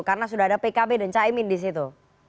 karena sudah ada pkb dan chaimin disitu